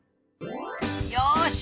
よし！